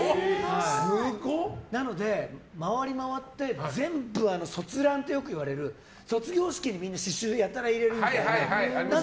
なので、回り回って全部卒ランってよく言われる卒業式に刺しゅうをやたら入れるみたいな。